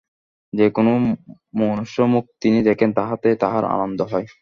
যে-কোন মনুষ্যমুখ তিনি দেখেন, তাহাতেই তাঁহার আনন্দ হয়।